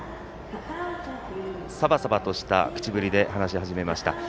さばさばとした口ぶりで話し始めました。